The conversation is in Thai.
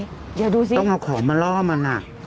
เดี๋ยวดูสิต้องเอาของมาล่อมัน